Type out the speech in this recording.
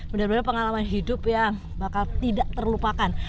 benar benar pengalaman hidup yang bakal tidak terlupakan